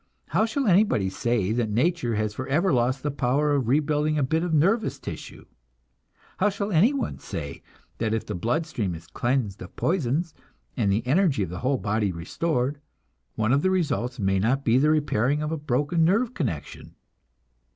How shall anybody say that nature has forever lost the power of rebuilding a bit of nervous tissue? How shall anyone say that if the blood stream is cleansed of poisons, and the energy of the whole body restored, one of the results may not be the repairing of a broken nerve connection?